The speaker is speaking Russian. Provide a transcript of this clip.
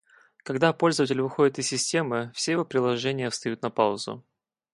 Когда пользователь выходит из системы, все его приложения встают на «паузу»